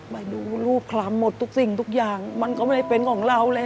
มาดูรูปคลำหมดทุกสิ่งทุกอย่างมันก็ไม่ได้เป็นของเราเลย